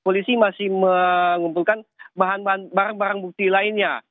polisi masih mengumpulkan barang barang bukti lainnya